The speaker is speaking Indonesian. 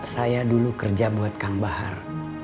saya dulu kerja buat kang bahar